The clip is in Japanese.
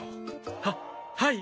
はっはい。